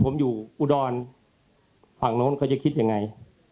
ถ้าผมรับไปพ่อที่ผมอยู่อุดรฝั่งโน้นเขาจะคิดยังไง